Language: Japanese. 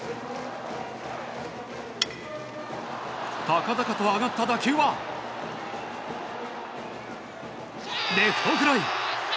高々と上がった打球はレフトフライ。